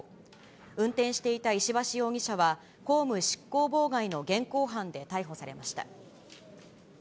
運転していた石橋容疑者は、公務執行妨害の現行犯で逮捕されました。